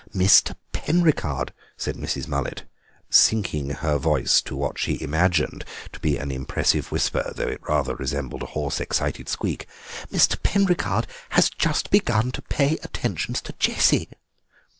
"Mr. Penricarde," said Mrs. Mullet, sinking her voice to what she imagined to be an impressive whisper, though it rather resembled a hoarse, excited squeak, "Mr. Penricarde has just begun to pay attentions to Jessie.